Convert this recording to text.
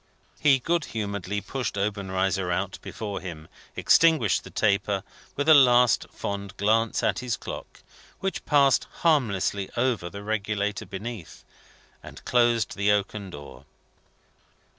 He good humouredly pushed Obenreizer out before him; extinguished the taper, with a last fond glance at his clock which passed harmlessly over the regulator beneath; and closed the oaken door.